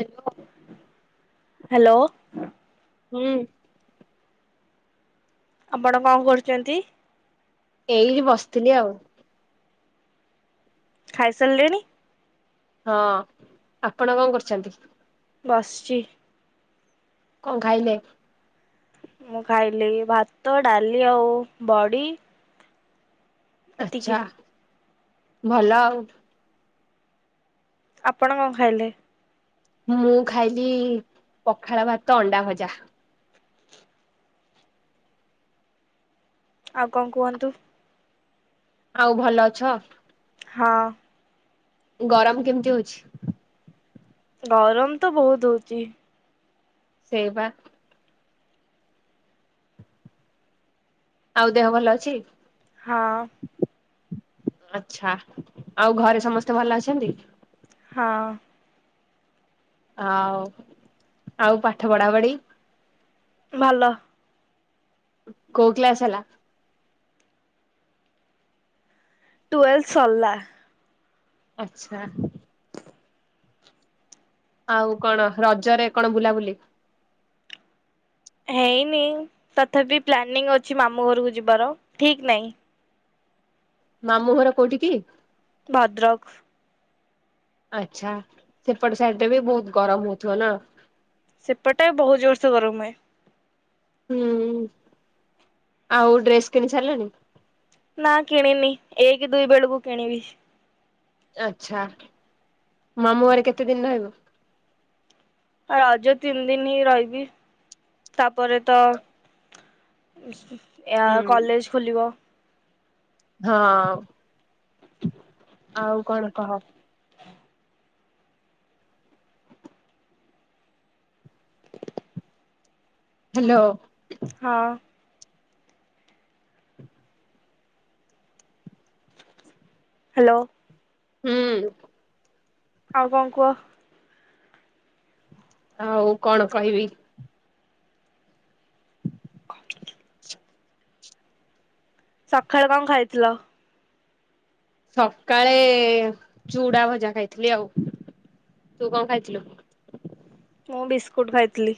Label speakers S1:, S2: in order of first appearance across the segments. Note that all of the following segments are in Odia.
S1: ହେଲୋ
S2: ହାଲୋ
S1: ହୁଁ
S2: ଆପଣ କଣ କରୁଚନ୍ତି।
S1: ଏଇଠି ବସିଥିଲି ଆଉ।
S2: ଖାଇସାରିଲେଣି।
S1: ହଁ ଆପଣ କଣ କରୁଚନ୍ତି?
S2: ବସଚି।
S1: କଁ ଖାଇଲେ?
S2: ମୁଁ ଖାଇଲି ଭାତ ଡାଲି ଆଉ ବଡି
S1: ଆଚ୍ଛା ଭଲ ଆଉ।
S2: ଆପଣ କଣ ଖାଇଲେ?
S1: ମୁଁ ଖାଇଲି ପଖାଳ ଭାତ ଅଣ୍ଡା ଭଜା।
S2: ଆଉ କଣ କୁହନ୍ତୁ?
S1: ଆଉ ଭଲ ଅଛ?
S2: ହଁ।
S1: ଗରମ୍ କେମ୍ତି ହଉଛି?
S2: ଗରମ୍ ତ ବହୁତ୍ ହଉଚି।
S1: ସେ ବା ଆଉ ଦେହ ଭଲ ଅଛି?
S2: ହଁ।
S1: ଆଚ୍ଛା, ଆଉ ଘରେ ସମସ୍ତେ ଭଲ ଅଛନ୍ତି?
S2: ହଁ।
S1: ଆଉ-ଆଉ ପାଠ ପଢାପଢି?
S2: ଭଲ।
S1: କୋଉ କ୍ଲାସ୍ ହେଲା?
S2: ଟୁଏଲ୍ ସରିଲା।
S1: ଆଚ୍ଛା। ଆଉ କଣ ରଜରେ କଣ ବୁଲାବୁଲି?
S2: ହେଇନି ତଥାପି ପ୍ଲାନିଂ ଅଛି ମାମୁଁ ଘରକୁ ଯିବାର, ଠିକ୍ ନାହିଁ।
S1: ମାମୁଁ ଘର କୋଉଠି କି?
S2: ଭଦ୍ରକ୍।
S1: ଆଚ୍ଛା ସେପଟ ସାଇଡଟା ବି ବହୁତ୍ ଗରମ୍ ହଉଥିବ ନା।
S2: ସେପଟେ ବହୁତ୍ ଜୋର୍ସେ ଗରମ୍ ହୁଏ।
S1: ହୁଁ ଆଉ ଡ୍ରେସ୍ କିଣି ସାରିଲଣି?
S2: ନାଁ କିଣିନି, ଏକ୍ ଦୁଇ ବେଳୁକୁ କିଣିବି।
S1: ଆଚ୍ଛା, ମାମୁଁ ଘରେ କେତେ ଦିନ୍ ରହିବ?
S2: ଆ ରଜ ତିନ୍ ଦିନି ରହିବି, ତାପରେ ତ ୟା କଲେଜ୍ ଖୋଲିବ।
S1: ହଁ, ଆଉ କଣ କହ? ହାଲୋ।
S2: ହଁ। ହାଲୋ।
S1: ହୁଁ।
S2: ଆଉ କଣ କୁହ।
S1: ଆଉ କଣ କହିବି
S2: ସଖାଳେ କଣ ଖାଇଥିଲ?
S1: ସକାଳେ ଚୁଡା ଭଜା ଖାଇଥିଲି ଆଉ, ତୁ କଣ ଖାଇଥିଲୁ?
S2: ମୁଁ ବିସ୍କୁଟ୍ ଖାଇଥିଲି।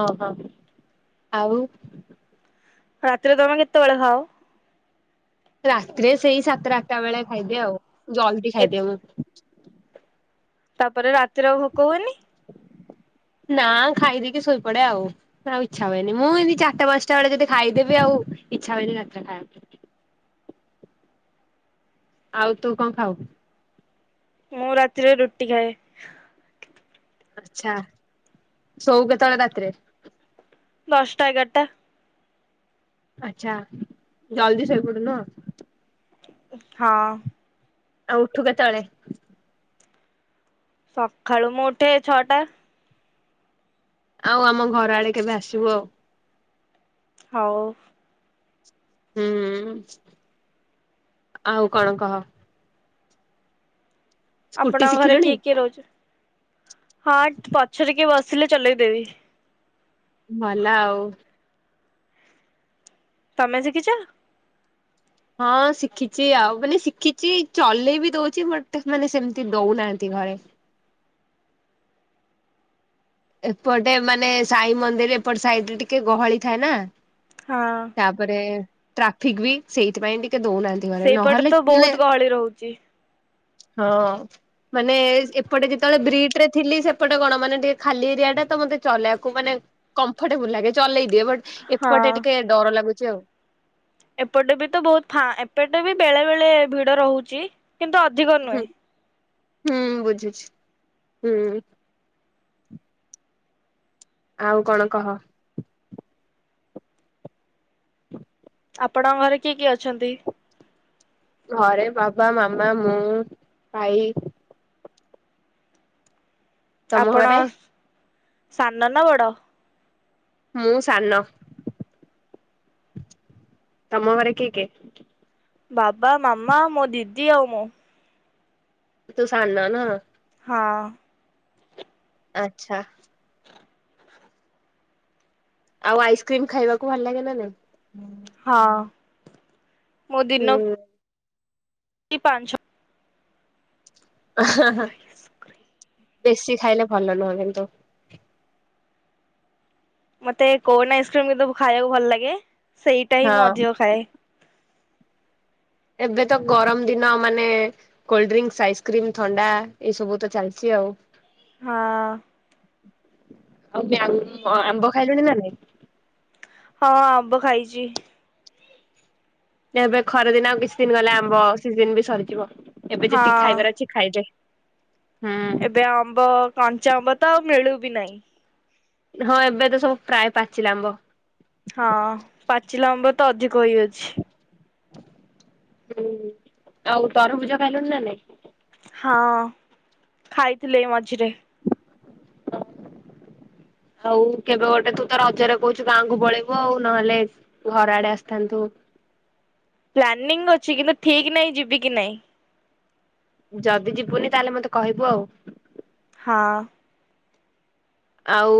S1: ଓହୋ, ଆଉ
S2: ରାତିରେ ତମେ କେତବଳେ ଖାଅ?
S1: ରାତିରେ ସେଇ ସାତଟା ଆଠଟା ବେଳେ ଖାଇଦିଏ ଆଉ, ଜଲ୍ଦି
S2: ଏ
S1: ଖାଇଦିଏ ମୁଁ।
S2: ତାପରେ ରାତିରେ ଆଉ ଭୋକ ହୁଏନି?
S1: ନାଁ ଖାଇ ଦେଇକି ଶୋଇପଡେ ଆଉ। [unintelligible] ଆଉ ଇଚ୍ଛା ହୁଏନି, ମୁଁ ଏମ୍ତି ଚାରିଟା ପାଞ୍ଚଟା ବେଳେ ଯଦି ଖାଇଦେବି ଆଉ ଇଚ୍ଛା ହୁଏନି ରାତିରେ ଖଇବାକୁ। ଆଉ ତୁ କଣ ଖାଉ?
S2: ମୁଁ ରାତିରେ ରୁଟି ଖାଏ।
S1: ଆଛା ସଉ କେତଳେ ରାତିରେ?
S2: ଦଶଟା ଏଗାରଟା।
S1: ଆଚ୍ଛା ଜଲଦି ଶୋଇ ପଡୁ ନୁହ।
S2: ହଁ।
S1: ଆ ଉଠୁ କେ ତଳେ?
S2: ସକାଳୁ ମୁଁ ଉଠେ ଛଅଟା।
S1: ଆଉ ଆମ ଘର ଆଡେ କେବେ ଆସିବୁ ଆଉ।
S2: ହଉ।
S1: ହୁଁ ଆଉ କଣ କହ। ସ୍କୁଟି
S2: ଆପଣଙ୍କ ଘରେ
S1: ଶିଖିଲୁଣି
S2: କିଏ କିଏ ରହୁଚ, ହଁ ପଛରେ କିଏ ବସିଲେ ଚଲେଇଦେବି।
S1: ଭଲ ଆଉ।
S2: ତମେ ସିଖିଚ
S1: ହଁ ଶିଖିଛି ଆଉ ମାନେ ଶିଖିଛି ଚଲେଇ ବି ଦଉଛି ବଟ ମାନେ ସେମିତି ଦଉନାହାନ୍ତି ଘରେ। ଏପଟେ ମାନେ ସାଇ ମନ୍ଦିର ଏପଟେ ସାଇଡରେ ଟିକେ ଗହଳି ଥାଏ ନା।
S2: ହଁ।
S1: ତାପରେ ଟ୍ରାଫିକ ବି ସେଇଥିପାଇଁ ଟିକେ ଦଉନାହାନ୍ତି ଘରେ
S2: ସେଇପଟେ ତ ବହୁତ
S1: ନହେଲେ
S2: ଗହଳି ରହୁଛି।
S1: ହଁ ମାନେ ଏପଟେ ଯେତେବେଳେ ବ୍ରିଟ ରେ ଥିଲି ସେପଟେ କଣ ମାନେ ଟିକେ ଖାଲି ଏରିଆ ଟା ତ ମତେ ଚଲେଇକୁ ମାନେ କମ୍ଫର୍ଟେବୁଲ ଲାଗେ ଚଲେଇ ଦିଏ, ବଟ ଏପଟେ
S2: ହଁ
S1: ଟିକେ ଡର ଲାଗୁଚି ଆଉ।
S2: ଏପଟେ ବି ତ ବହୁତ ଫା ଏପଟେ ବି ବେଳେ ବେଳେ ଭିଡ ରହୁଛି କିନ୍ତୁ ଅଧିକ ନୁହେଁ।
S1: ହୁଁ ବୁଝୁଛି ହୁଁ। ଆଉ କଣ କହ।
S2: ଆପଣଙ୍କ ଘରେ କିଏ କିଏ ଅଛନ୍ତି?
S1: ଘରେ ବାବା ମାମା ମୁଁ ଭାଇ। ତମ
S2: ଆପଣ
S1: ଘରେ
S2: ସାନ ନା ବଡ?
S1: ମୁଁ ସାନ, ତମ ଘରେ କିଏ କିଏ?
S2: ବାବା ମାମା ମୋ ଦିଦି ଆଉ ମୁଁ।
S1: ତୁ ସାନ ନା।
S2: ହଁ।
S1: ଆଛା। ଆଉ ଆଇସ୍କ୍ରିମ ଖାଇବାକୁ ଭଲ ଲାଗେ ନା ନାଇଁ?
S2: ହଁ ମୁଁ
S1: ହୁଁ
S2: ଦିନ କି ପାଞ୍ଚ ଛ।
S1: ବେଶୀ ଖାଇଲେ ଭଲ ନୁହଁ କିନ୍ତୁ।
S2: ମତେ କୋନ ଆଇସ୍କ୍ରିମ କିନ୍ତୁ ଖାଇବାକୁ ଭଲ ଲାଗେ ସେଇଟା ହିଁ
S1: ହଁ
S2: ମୁଁ ଅଧିକ ଖାଏ।
S1: ଏବେ ତ ଗରମ ଦିନ ମାନେ କୋଲ୍ଡ ଡ୍ରିଙ୍କ ଆଇସ୍କ୍ରିମ ଥଣ୍ଡା ଏଇ ସବୁ ତ ଚାଲିଚି ଆଉ।
S2: ହଁ।
S1: ଆଉ କି ଆମ୍ବ ଖାଇଲୁଣି ନା ନାଇଁ?
S2: ହଁ ଆମ୍ବ ଖାଇଛି।
S1: ଏବେ ଖରାଦିନ ଆଉ କିଛି ଦିନ ଗଲେ ଆମ୍ବ ସିଜନ ବି ସରିଯିବ ଏବେ ଯେତିକି
S2: ହଁ।
S1: ଖାଇବାର ଅଛି ଖାଇଦେ। ହୁଁ।
S2: ଏବେ ଆମ୍ବ କଞ୍ଚା ଆମ୍ବ ତ ଆଉ ମିଳୁ ବିି ନାଇଁ।
S1: ହଁ ଏବେ ତ ସବୁ ପ୍ରାୟ ପାଚିଲା ଆମ୍ବ।
S2: ହଁ ପାଚିଲାଆମ୍ବ ତ ଅଧିକ ହେଇଅଛି।
S1: ହୁଁ, ଆଉ ତରଭୁଜ ଖାଇଲୁନି ନା ନାଇଁ?
S2: ହଁ ଖାଇଥିଲେ ମଝିରେ।
S1: ହଉ କେବେ ଗୋଟେ ତୁ ତ ରଜରେ କହୁଛୁ ଗାଁକୁୁ ପଳେଇବୁ ଆଉ ନହେଲେ ଘର ଆଡେ ଆସିଥାନ୍ତୁ।
S2: ପ୍ଲାନିଂ ଅଛି କିନ୍ତୁ ଠିକ ନାହିଁ ଯିବି କି ନାଇଁ।
S1: ଯଦି ଯିବୁନି ତାହେଲେ ମତେ କହିବୁ ଆଉ।
S2: ହଁ।
S1: ଆଉ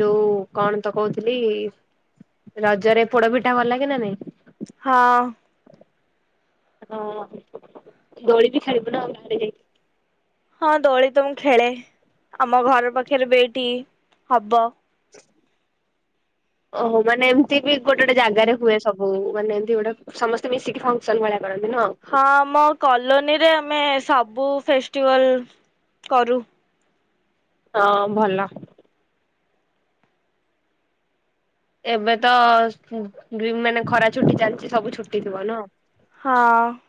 S1: ଯୋଉ କଣ ତ କହୁଥିଲି। ରଜରେ ପୋଡ ପିଠା ଭଲ ଲାଗେ ନା ନାଇଁ?
S2: ହଁ।
S1: ହଁ ଦୋଳି ବି ଖେଳିବୁ ନା ଆଉ ଗାଁ ଆଡେ ଯାଇକି।
S2: ହଁ ଦୋଳି ତ ମୁଁ ଖେଳେ ଆମ ଘର ପାଖରେ ବି ଏଇଠି ହବ।
S1: ଓହୋ ମାନେ ଏମିତି ବି ଗୋଟେ ଗୋଟେ ଜାଗାରେ ହୁଏ ସବୁ ମାନେ ଏମିତି ଗୋଟେ ସମସ୍ତେ ମିଶିକି ଫଙ୍କସନ୍ ଭଳିଆ କରନ୍ତି ନୁହଁ।
S2: ହଁ ଆମ କଲୋନୀରେ ଆମେ ସବୁ ଫେଷ୍ଟିଭାଲ କରୁ।
S1: ହଁ ଭଲ। ଏବେ ତ [unintelligible] ମାନେ ଖରା ଛୁଟି ଚାଲିଛି ସବୁ ଛୁଟି ଥିବ ନୁହଁ।
S2: ହଁ।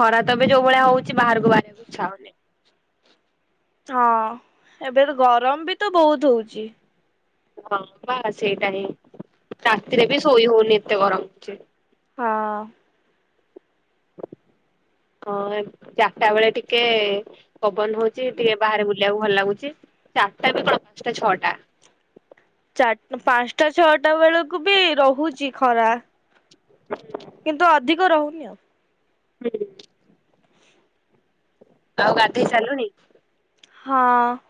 S1: ଖରା ତ ଏବେ ଯୋଉ ଭଳିଆ ହଉଛି ବାହାରକୁ ବାହାରିବାକୁ ଇଚ୍ଛା ହଉନି।
S2: ହଁ ଏବେ ତ ଗରମ ବି ତ ବହୁତ ହଉଛି।
S1: ହଁ ବା ସେଇଟା ହିଁ ରାତିରେ ବି ଶୋଇ ହଉନି ଏତେ ଗରମ ହଉଛି।
S2: ହଁ।
S1: ହଁ ଚାରିଟା ବେଳେ ଟିକେ ପବନ ହଉଛି ଟିକେ ବାହାରେ ବୁଲିବାକୁ ଭଲ ଲାଗୁଛି। ଚାରିଟା ବି କଣ ପାଞ୍ଚଟା ଛଅଟା
S2: ଚାରି ପାଞ୍ଚଟା ଛଅଟା ବେଳକୁ ବି ରହୁଛି ଖରା।
S1: ହୁଁ। [unintelligible]
S2: କିନ୍ତୁ ଅଧିକ ରହୁନି ଆଉ।
S1: ହୁଁ। ଆଉ ଗାଧେଇ ସାରିଲଣି?
S2: ହଁ।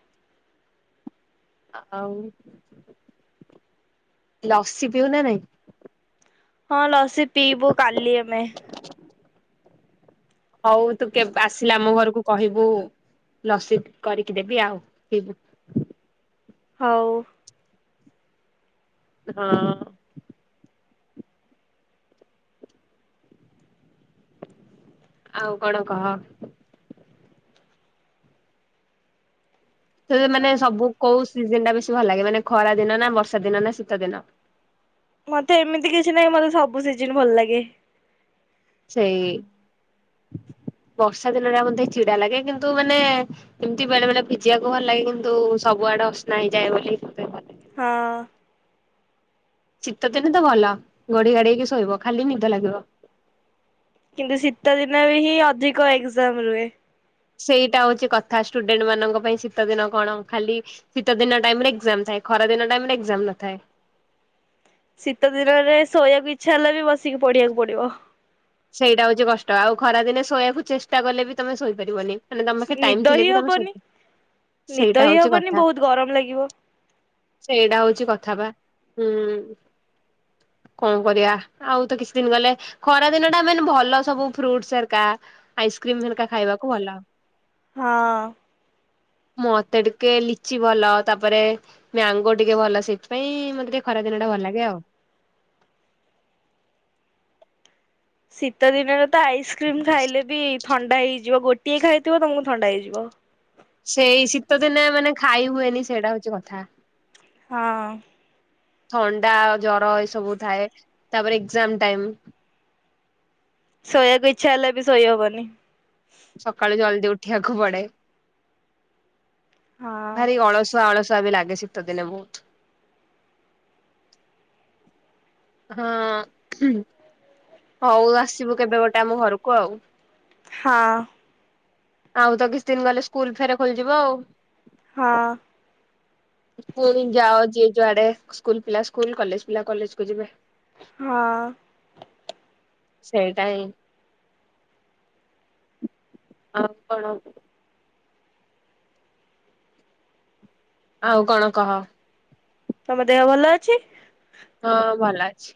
S1: ଆଉ ଲସି ପିଉ ନା ନାଇଁ?
S2: ହଁ ଲସି ପିଇବୁ କାଲି ଆମେ।
S1: ହଉ ତୁ କେବେ ଆସିଲା ଆମ ଘରକୁ କହିବୁ ଲସି କରିକି ଦେବି ଆଉ ପିଇବୁ।
S2: ହଉ।
S1: ହଁ। ଆଉ କଣ କହ? ସେ ମାନେ ସବୁ କୋଉ ସିଜିନ୍ ଟା ବେଶୀ ଭଲ ଲାଗେ ମାନେ ଖରା ଦିନ ନା ବର୍ଷା ଦିନ ନା ଶୀତ ଦିନ?
S2: ମତେ ଏମିତି କିଛି ନାହିଁ ମତେ ସବୁ ସିଜିନ୍ ଭଲ ଲାଗେ।
S1: ସେଇ ବର୍ଷା ଦିନଟା ମୋତେ ଚିଡା ଲାଗେ କିନ୍ତୁ ମାନେ ଏମିତି ବେଳେ ବେଳେ ଭିଜିବାକୁ ଭଲ ଲାଗେ କିନ୍ତୁ ସବୁଆଡେ ଅସନା ହେଇଯାଏ ବୋଲିତେ ଭଲ ଲାଗେନି।
S2: ହଁ।
S1: ଶୀତ ଦିନ ତ ଭଲ ଘୋଢି ଘାଡେଇକି ଶୋଇବ ଖାଲି ନିଦ ଲାଗିବ।
S2: କିନ୍ତୁ ଶୀତ ଦିନରେ ହିଁ ଅଧିକ ଏକ୍ଜାମ ରୁହେ।
S1: ସେଇଟା ହଉଛି କଥା ଷ୍ଟୁଡେଣ୍ଟ ମାନଙ୍କ ପାଇଁ ଶୀତ ଦିନ କଣ ଖାଲି ଶୀତ ଦିନ ଟାଇମ ରେ ଏକ୍କାମ ଥାଏ ଖରା ଦିନ ଟାଇମ୍ ରେ ଏକ୍କାମ ନ ଥାଏ।
S2: ଶୀତ ଦିନରେ ଶୋଇବାକୁ ଇଚ୍ଛା ହେଲେ ବି ବସିକି ପଢିବାକୁ ପଡିବ।
S1: ସେଇଟା ହଉଛି କଷ୍ଟ ଆଉ ଖରା ଦିନେ ଶୋଇବାକୁ ଚେଷ୍ଟା କଲେ ବି ତମେ ଶୋଇପାରିବନି ମାନେ ତମ ପାଖ
S2: ନିଦ
S1: ଟାଇମ୍ ଥିଲେ
S2: ହିଁ
S1: ବି ତମ
S2: ହବନି
S1: ସୋଇ
S2: ନିଦ
S1: ସେଇଟା
S2: ହିଁ
S1: ହଉଛି
S2: ହବନି
S1: କଥା।
S2: ବହୁତ ଗରମ ଲାଗିବ
S1: ସେଇଟା ହଉଛି କଥା ବା ହୁଁ। କଣ କରିବା ଆଉ ତ କିଛି ଦିନ ଗଲେ ଖରା ଦିନଟା ମାନେ ଭଲ ସବୁ ଫ୍ରୁଟ୍ ସୁ ହେରିକା ଆଇସ୍କ୍ରିମ୍ ହେରିକା ଖାଇବାକୁ ଭଲ।
S2: ହଁ।
S1: ମତେ ଟିକେ ଲିଚି ଭଲ ତାପରେ ମ୍ୟାଙ୍ଗୋ ଟିକେ ଭଲ ସେଇଥିପାଇଁ ମତେ ଟିକେ ଖରା ଦିନ ଟା ଭଲ ଲାଗେ ଆଉ।
S2: ଶୀତ ଦିନରେ ତ ଆଇସ୍କ୍ରିମ ଖାଇଲେ ବି ଥଣ୍ଡା ହେଇଯିବ ଗୋଟିଏ ଖାଇଥିବ ତମକୁ ଥଣ୍ଡା ହେଇଯିବ।
S1: ସେଇ ଶୀତଦିନେ ମାନେ ଖାଇ ହୁଏନି ସେଇଟା ହଉଛି କଥା।
S2: ହଁ।
S1: ଥଣ୍ଡା ଜ୍ବର ଏ ସବୁ ଥାଏ ତାପରେ ଏକ୍ଜାମ୍‌ ଟାଇମ୍।
S2: ଶୋଇବାକୁ ଇଚ୍ଛା ହେଲେ ବି ଶୋଇ ହବନି।
S1: ସକାଳୁ ଜଲ୍ଦି ଉଠିବାକୁ ପଡେ।
S2: ହଁ।
S1: ଭାରି ଅଳସୁଆ ଅଳସୁଆ ବି ଲାଗେ ଶୀତ ଦିନେ ବହୁତ। ହଁ ହଉ ଆସିବୁ କେବେ ଗୋଟେ ଆମ ଘରକୁ ଆଉ।
S2: ହଁ।
S1: ଆଉ ତ କିଛି ଦିନ ଗଲେ ସ୍କୁଲ ଫେର୍ ଖୋଲିଯିବ ଆଉ।
S2: ହଁ।
S1: ପୁଣି ଯାଅ ଯିଏ ଯୁଆଡେ ସ୍କୁଲ ପିଲା ସ୍କୁଲ କଲେଜ ପିଲା କଲେଜ କୁ ଯିବେ।
S2: ହଁ।
S1: ସେଇଟା ହିଁ ଆଉ କଣ? ଆଉ କଣ କହ?
S2: ତମ ଦେହ ଭଲ ଅଛି?
S1: ହଁ ଭଲ ଅଛି।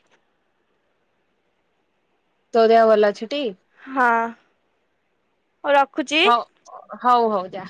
S1: ତ ଦେହ ଭଲ ଅଛି ଟି?
S2: ହଁ ହଉ ରଖୁଛି।
S1: ହଉ ହଉ ହଉ ଯା।